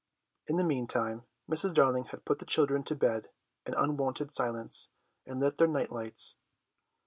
In the meantime Mrs. Darling had put the children to bed in unwonted silence and lit their night lights.